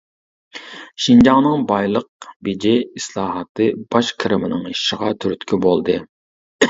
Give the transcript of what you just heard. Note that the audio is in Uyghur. شىنجاڭنىڭ بايلىق بېجى ئىسلاھاتى باج كىرىمىنىڭ ئېشىشىغا تۈرتكە بولدى.